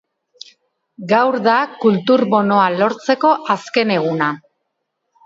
Gaur da kultur bonoa lortzeko azken eguna.